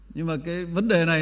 nhưng mà cái vấn đề này